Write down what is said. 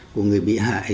của người bị hại